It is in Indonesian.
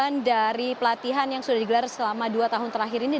bahwa memang tujuan dari pelatihan yang sudah digelar selama dua tahun terakhir ini